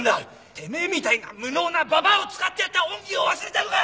てめえみたいな無能なババアを使ってやった恩義を忘れたのか！